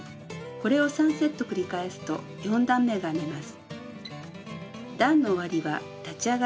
これを３セット繰り返すと４段めが編めます。